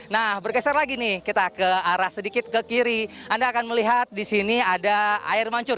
nah bergeser lagi nih kita ke arah sedikit ke kiri anda akan melihat di sini ada air mancur